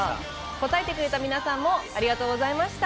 答えてくれた皆さんもありがとうございました。